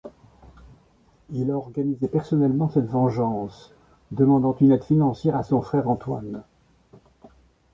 Il a organisé personnellement cette vengeance, demandant une aide financière à son frère Antoine.